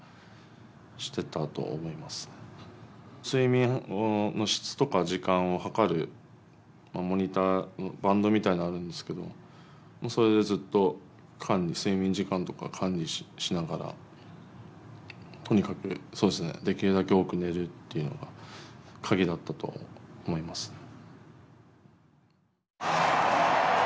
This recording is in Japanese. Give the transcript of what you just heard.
睡眠の質とか時間を計るモニターバンドみたいなのあるんですけどそれでずっと睡眠時間とか管理しながらとにかくできるだけ多く寝るっていうのが鍵だったと思います。